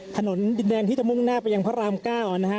ถนนดินแดงที่จะมุ่งหน้าไปยังพระราม๙นะฮะ